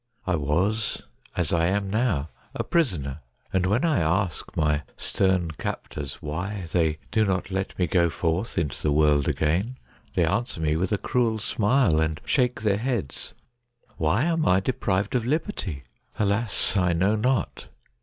I was, as I am now, a prisoner ; and when I ask my stern captors why they do not let me go forth into the world again, they answer me with a cruel smile, and shake their heads. Why am I deprived of liberty ? Alas ! I know not.